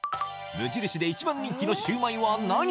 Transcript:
蒸印で１番人気のシューマイは何？